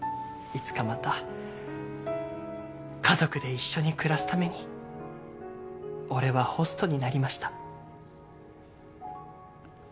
いつかまた家族で一緒に暮らすために俺はホストになりました。